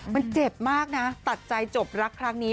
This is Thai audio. มันเจ็บมากนะตัดใจจบรักครั้งนี้